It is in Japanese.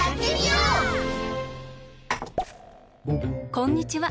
こんにちは。